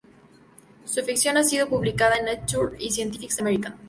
Su ficción ha sido publicada en "Nature" y"Scientific American".